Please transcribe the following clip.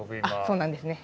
そうなんですね。